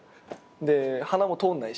で鼻も通んないし。